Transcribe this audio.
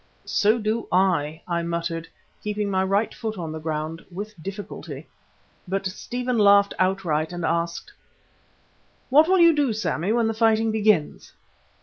"So do I," I muttered, keeping my right foot on the ground with difficulty. But Stephen laughed outright and asked: "What will you do, Sammy, when the fighting begins?"